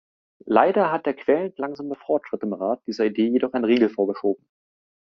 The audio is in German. Leider hat der quälend langsame Fortschritt im Rat dieser Idee jedoch einen Riegel vorgeschoben.